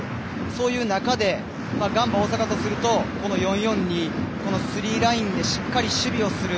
そういう中でガンバ大阪とすると４−４−２、この３ラインでしっかり守備をする。